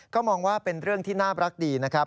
ก็มองว่าเป็นเรื่องที่น่ารักดีนะครับ